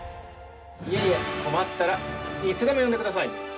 いえいえ困ったらいつでも呼んでください！